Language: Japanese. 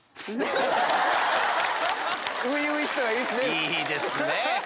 いいですね。